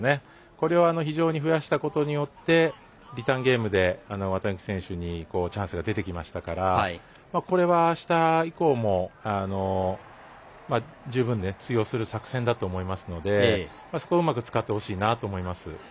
これを非常に増やしたことによってリターンゲームで綿貫選手にチャンスが出てきましたからこれはあした以降も十分通用する作戦だと思いますのでこれをうまく使ってほしいなと思います。